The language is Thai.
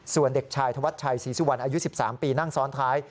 ส่วนเด็กชายธวัชชัยศรีสุวรรณอายุ๑๓ปีนั่งซ้อนท้าย